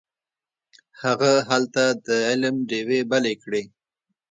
هغه هلته د علم ډیوې بلې کړې.